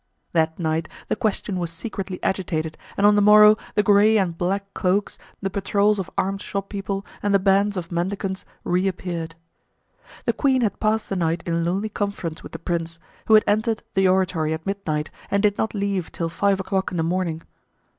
That night the question was secretly agitated and on the morrow the gray and black cloaks, the patrols of armed shop people, and the bands of mendicants reappeared. The queen had passed the night in lonely conference with the prince, who had entered the oratory at midnight and did not leave till five o'clock in the morning.